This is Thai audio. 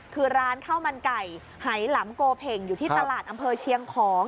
คือร้านข้าวมันไก่หายหลำโกเพ่งอยู่ที่ตลาดอำเภอเชียงของ